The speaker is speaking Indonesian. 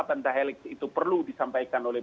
pentahelik itu perlu disampaikan oleh